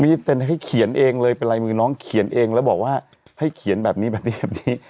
เซ็นให้เขียนเองเลยเป็นลายมือน้องเขียนเองแล้วบอกว่าให้เขียนแบบนี้แบบนี้แบบนี้